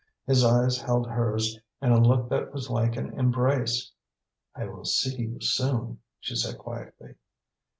His eyes held hers in a look that was like an embrace. "I will see you soon," she said quietly.